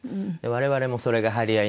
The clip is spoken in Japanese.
我々もそれが張り合いになって。